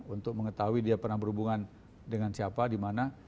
untuk mengetahui dia pernah berhubungan dengan siapa dimana